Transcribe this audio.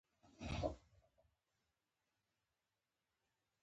باران د افغانستان د زرغونتیا یوه نښه ده.